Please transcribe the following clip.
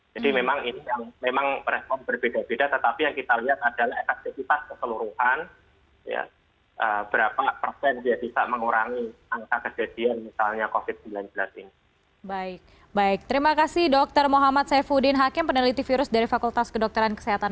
jadi memang respon berbeda beda tetapi yang kita lihat adalah efektifitas keseluruhan